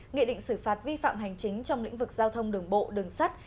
nghị định xử phạt vi phạm hành chính trong lĩnh vực giao thông đường bộ đường sắt